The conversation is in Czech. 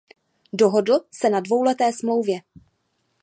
Dohodl se na dvouleté smlouvě.